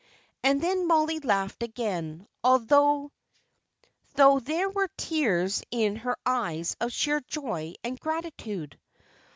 And then Mollie laughed again, though there were tears in her eyes of sheer joy and gratitude.